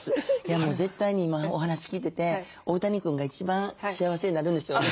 もう絶対に今お話聞いてて大谷君が一番幸せになるんでしょうね。